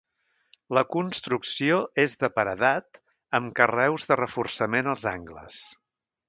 La construcció és de paredat amb carreus de reforçament als angles.